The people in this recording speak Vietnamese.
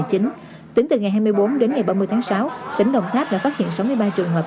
tính từ ngày hai mươi bốn đến ngày ba mươi tháng sáu tỉnh đồng tháp đã phát hiện sáu mươi ba trường hợp